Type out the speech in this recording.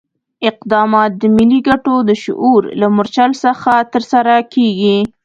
اقدامات د ملي ګټو د شعور له مورچل څخه ترسره کېږي.